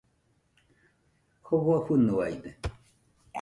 Jofo fɨnoaide